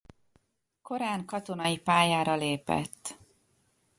Korán katonai pályára lépett.